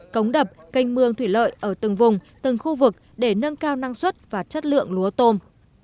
cống đập canh mương thủy lợi ở từng vùng từng khu vực để nâng cao năng suất và chất lượng lúa tôm